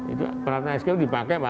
itu peralatan escape itu dipakai pak